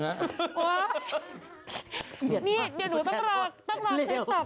ลีน่าจังลีน่าจังลีน่าจังลีน่าจังลีน่าจัง